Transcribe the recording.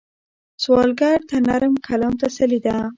سوالګر ته نرم کلام تسلي ده